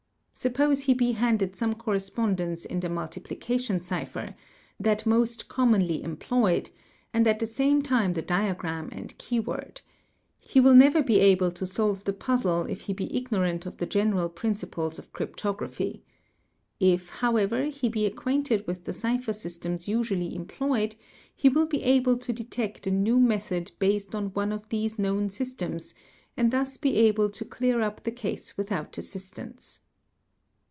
Suppose he be handed some correspondene . the multiplication cipher, that most commonly employed (see p. 60. and at the same time the diagram and keyword; he will never be abl 2 solve the puzzle if he be ignorant of the general principles of crypt graphy; if, however, he be acquainted with the cipher systems usual y HINTS ON DECIPHERING 611 employed, he will be able to detect a new method based on one of these known systems and thus be able to clear up the case without assistance.